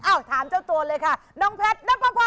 ถามเจ้าตัวเลยค่ะน้องแพทย์นับประพอ